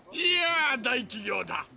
いや大企業だ。